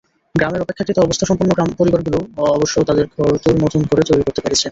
গ্রামের অপেক্ষাকৃত অবস্থাসম্পন্ন পরিবারগুলো অবশ্য তাদের ঘরদোর নতুন করে তৈরি করতে পেরেছে।